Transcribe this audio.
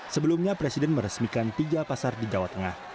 sebelumnya presiden meresmikan tiga pasar di jawa tengah